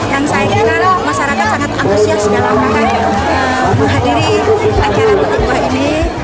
yang saya kenal masyarakat sangat agresif dan akan menghadiri acara petik buah ini